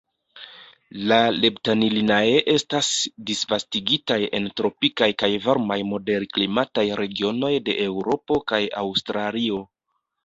La "Leptanillinae" estas disvastigitaj en tropikaj kaj varmaj moderklimataj regionoj de Eŭropo kaj Aŭstralio.